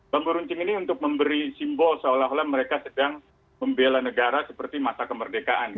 bambu runcing ini untuk memberi simbol seolah olah mereka sedang membela negara seperti masa kemerdekaan